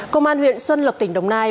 công an huyện xuân lộc tỉnh đồng nai